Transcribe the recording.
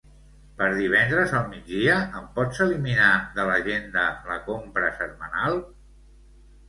Per divendres al migdia em pots eliminar de l'agenda la compra setmanal?